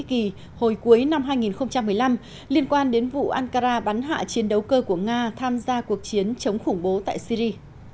nước này áp đặt với thổ nhĩ kỳ hồi cuối năm hai nghìn một mươi năm liên quan đến vụ ankara bắn hạ chiến đấu cơ của nga tham gia cuộc chiến chống khủng bố tại syri